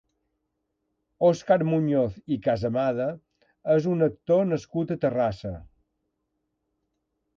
Òscar Muñoz i Casamada és un actor nascut a Terrassa.